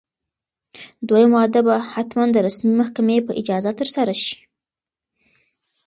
دویم واده باید حتماً د رسمي محکمې په اجازه ترسره شي.